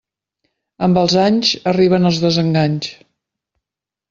Amb els anys arriben els desenganys.